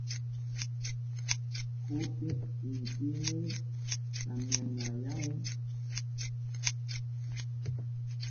Kuti intimun tamyanayamun.